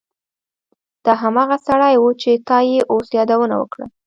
دا هماغه سړی و چې تا یې اوس یادونه وکړه